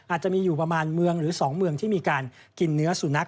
อาจจะมีอยู่ประมาณเมืองหรือ๒เมืองที่มีการกินเนื้อสุนัข